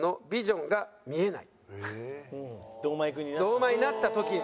堂前になった時にね。